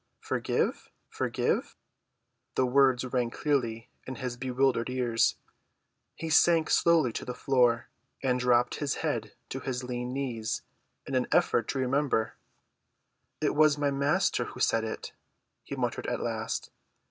"Forgive—forgive!" The words rang clearly in his bewildered ears. He sank slowly to the floor, and dropped his head to his lean knees in an effort to remember. "It was my Master who said it," he muttered at last.